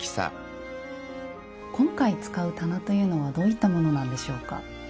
今回使う棚というのはどういったものなんでしょうか？